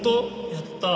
やったー！